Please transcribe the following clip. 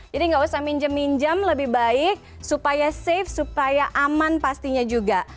jadi nggak usah minjem minjem lebih baik supaya safe supaya aman pastinya juga